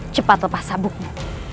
cepat lepas sabukmu